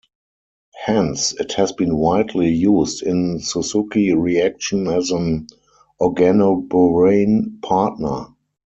Hence, it has been widely used in Suzuki reaction as an organoborane partner.